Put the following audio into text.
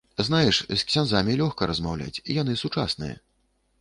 Знаеш, з ксяндзамі лёгка размаўляць, яны сучасныя.